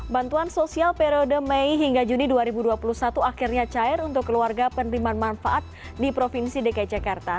bantuan sosial periode mei hingga juni dua ribu dua puluh satu akhirnya cair untuk keluarga penerimaan manfaat di provinsi dki jakarta